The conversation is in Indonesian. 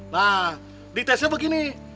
nah ditesnya begini